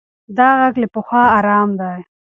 دا غږ له پخوا ارام دی.